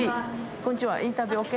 こんにちはインタビューＯＫ？